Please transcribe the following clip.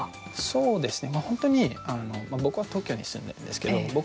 そうですね。